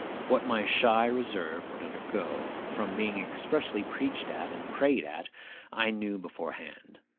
What my shy reserve would undergo, from being expressly preached at and prayed at, I knew beforehand.